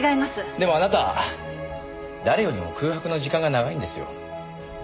でもあなたは誰よりも空白の時間が長いんですよ。